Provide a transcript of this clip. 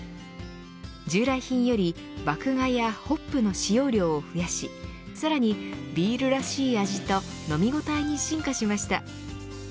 従来品より麦芽やホップの使用量を増やしさらにビールらしい味と飲み応えに進化しました。